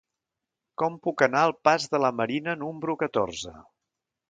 Com puc anar al pas de la Marina número catorze?